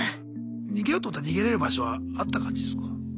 逃げようと思ったら逃げれる場所はあった感じですか？